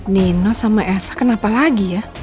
nino sama esa kenapa lagi ya